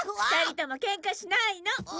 ２人ともけんかしないの！